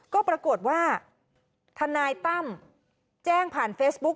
ก็ปรากฏว่าทนายตั้มแจ้งผ่านเฟซบุ๊ค